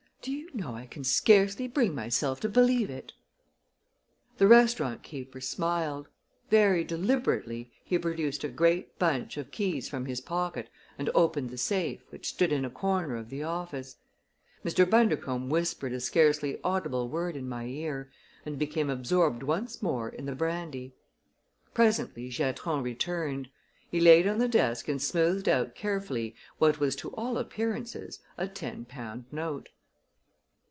Do you know I can scarcely bring myself to believe it!" The restaurant keeper smiled. Very deliberately he produced a great bunch of keys from his pocket and opened the safe, which stood in a corner of the office. Mr. Bundercombe whispered a scarcely audible word in my ear and became absorbed once more in the brandy. Presently Giatron returned. He laid on the desk and smoothed out carefully what was to all appearances a ten pound note.